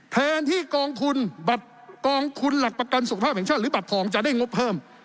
แทนที่กองทุนบัตรกองทุนหลักประกันสุขภาพแห่งชาติหรือบัตรทองจะได้งบเพิ่ม